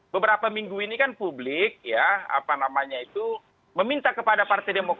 beberapa minggu ini kan publik ya apa namanya itu meminta kepada partai demokrat